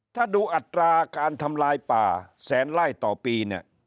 ถ้าดูอัตราการทำลายป่าแสนไล่ต่อปีเนี่ย